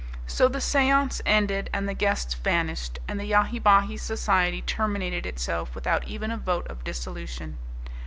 So the seance ended and the guests vanished, and the Yahi Bahi Society terminated itself without even a vote of dissolution.